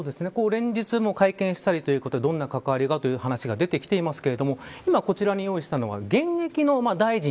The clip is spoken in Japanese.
連日、会見したりということでどんな関係がという話が出てきていますが今、こちらに用意したのは現役の大臣。